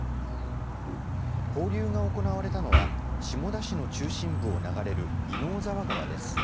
放流が行われたのは下田市の中心部を流れる稲生沢川です。